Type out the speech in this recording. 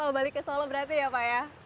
mau balik ke solo berarti ya pak ya